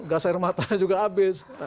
gas air matanya juga habis